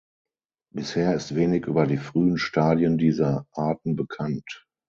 Bisher ist wenig über die frühen Stadien dieser Arten bekannt.